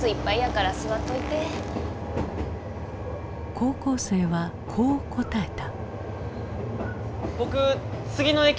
高校生はこう答えた。